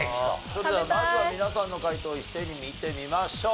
それではまずは皆さんの解答を一斉に見てみましょう。